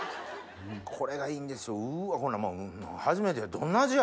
これがいいんですようっわ！